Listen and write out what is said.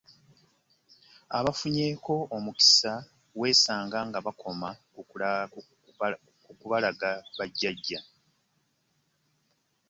Abfunyeeko omukisa weesanga nga bakoma ku kubalaga bajjajja